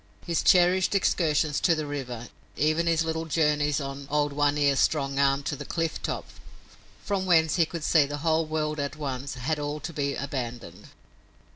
His cherished excursions to the river, even his little journeys on old One Ear's strong arm to the cliff top, from whence he could see the whole world at once, had all to be abandoned.